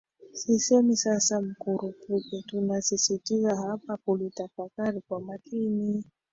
sisemi sasa mkurupuke tunasisitiza hapa kulitafakari kwa makini